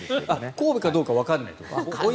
神戸かどうかわからない？